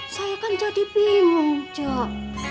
saya kan jadi bingung jok